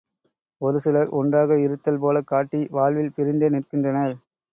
ஒரு சிலர் ஒன்றாக இருத்தல் போலக் காட்டி வாழ்வில் பிரிந்தே நிற்கின்றனர்.